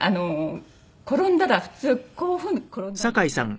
転んだら普通こういう風に転んだんですね。